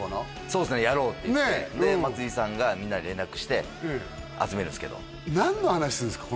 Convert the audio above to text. そうですね「やろう」って言ってで松井さんがみんなに連絡して集めるんですけど何の話するんですか？